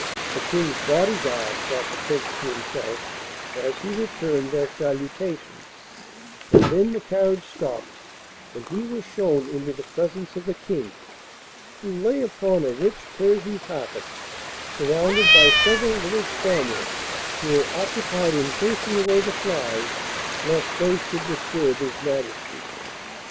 'The King's body guard,' thought the Prince to himself as he returned their salutations, and then the carriage stopped, and he was shown into the presence of the King, who lay upon a rich Persian carpet surrounded by several little spaniels, who were occupied in chasing away the flies lest they should disturb his Majesty.